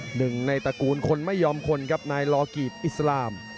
หนึ่งในตระกูลคนไม่ยอมคนครับนายลอกีบอิสลาม